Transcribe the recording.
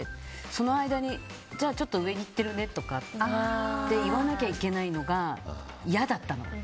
その間にじゃあちょっと上に行ってるねとかって言わなきゃいけないのが嫌だったの。